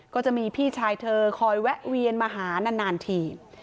ก็จะมีพี่ชายเธอคอยแวะเวียนมาหานานที